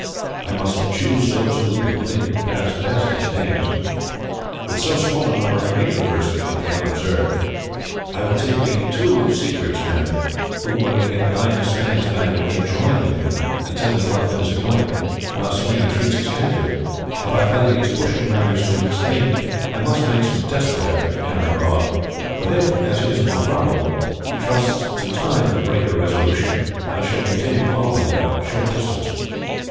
I must choose those who will be able to pass best as Danes. With so small a number I may traverse the country unobserved. I will take with me two of Siegbert's men, who, when we get nigh to Sweyn's band, may join with him and tell me how things are going, and how Sweyn treats his captive. If I find he is pushing matters to an extreme I must make some desperate effort to carry her off; but if, as is more probable, he trusts to time to break her resolution, I shall follow at a short distance."